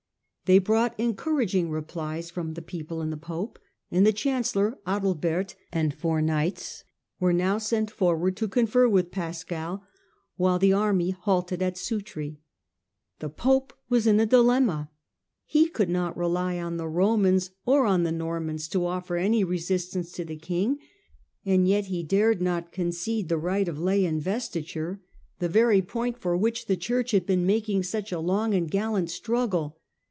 They brought encouraging replies from the people and the pope, and the chancellor Adalbert and four knights were now sent forward to confer with Pascal while the army halted at Sutri. The Conference popo was in a dilemma. He could not rely ^pe. His on the Romans or on the Normans to offer prolyl any resistance to the king, and yet he dared not concede the right of lay investiture — the 7ery point Digitized by VjOOQIC 192 HlLDEBRAND for which the Church had been making such a long and gallant struggle.